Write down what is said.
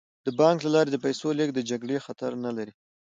د بانک له لارې د پیسو لیږد د جګړې خطر نه لري.